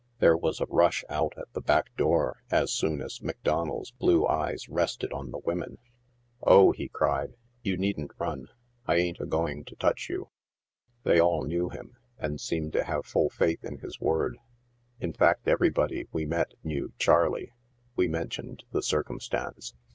There was a rush out at the back door as soon as McDonnell's blue eyes rested on the women. THE LAIRS OF MISEKY AND CRIME. 95 " Oh," he cried, " you needn't ran ; I ain't a going to touch you." They all knew him, and seemed to have full faith in his word. In fact everybody we met knew " Charley." We mentioned the cir cumstance.